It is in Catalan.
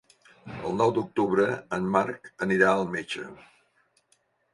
El nou d'octubre en Marc anirà al metge.